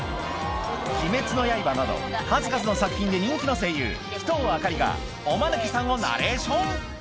『鬼滅の刃』など数々の作品で人気の声優鬼頭明里がおマヌケさんをナレーション